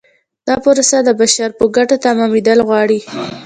دا پروسه د بشر په ګټه تمامیدل غواړي.